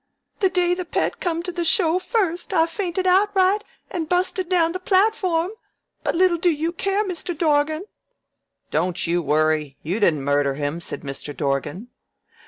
The day the Pet come to the show first I fainted outright and busted down the platform, but little do you care, Mr. Dorgan." "Don't you worry; you didn't murder him," said Mr. Dorgan.